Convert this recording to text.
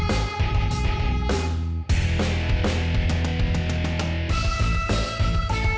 alhamdulillah ya allah